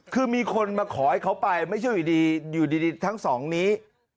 คือมีคนมาขอให้เขาไปไม่ใช่อยู่ดีอยู่ดีทั้งสองนี้